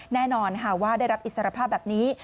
แน่นอนค่ะว่าได้รับอิสรภาพแบบนี้